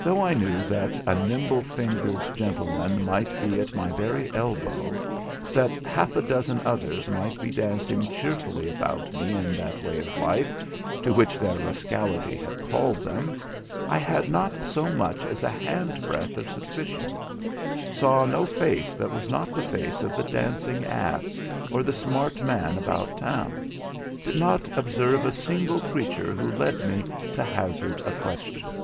Though I knew that a nimble fingered gentleman might be at my very elbow, that half a dozen others might be dancing cheerfully about me in that way of life to which their rascality had called them, I had not so much as a hand breadth of suspicion; saw no face that was not the face of the dancing ass, or the smart man about town; did not observe a single creature who led me to hazard a question.